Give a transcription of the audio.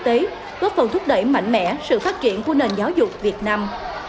tế góp phần thúc đẩy mạnh mẽ sự phát triển của nền giáo dục việt nam